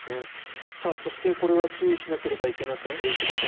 そして、これは注意しなければいけません。